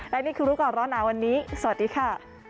และนี่คือรู้ก่อนร้อนหนาวันนี้สวัสดีค่ะ